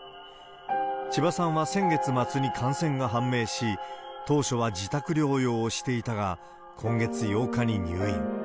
千葉さんは先月末に感染が判明し、当初は自宅療養をしていたが、今月８日に入院。